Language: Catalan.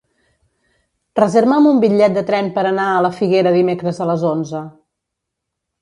Reserva'm un bitllet de tren per anar a la Figuera dimecres a les onze.